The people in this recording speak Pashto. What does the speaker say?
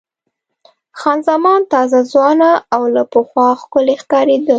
خان زمان تازه، ځوانه او له پخوا ښکلې ښکارېده.